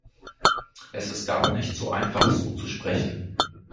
Es ist gar nicht so einfach, so zu sprechen.